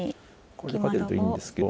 これで勝ってるといいんですけど。